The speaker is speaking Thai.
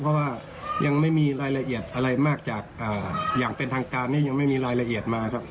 เพราะว่ายังไม่มีรายละเอียดอะไรมากจากอย่างเป็นทางการเนี่ยยังไม่มีรายละเอียดมาครับ